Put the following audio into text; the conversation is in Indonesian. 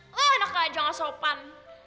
udah enak aja gak sopan